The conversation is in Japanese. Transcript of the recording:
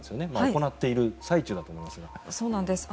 行っている最中だと思いますが。